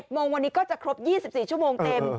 โมงวันนี้ก็จะครบ๒๔ชั่วโมงเต็ม